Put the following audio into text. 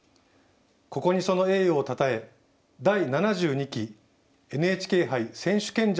ここにその栄誉をたたえ第７２期ＮＨＫ杯選手権者の称号を贈ります